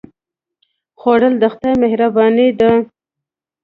خوړل د خدای مهرباني ده